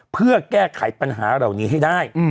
เพื่อแก้ไขปัญหาเหล่านี้ให้ได้